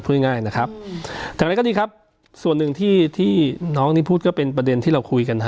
พูดง่ายนะครับอย่างไรก็ดีครับส่วนหนึ่งที่ที่น้องนี่พูดก็เป็นประเด็นที่เราคุยกันฮะ